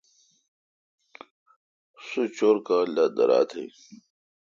سو چور کال دا دیراتھ این۔